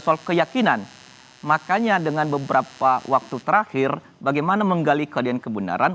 soal keyakinan makanya dengan beberapa waktu terakhir bagaimana menggali keadilan kebenaran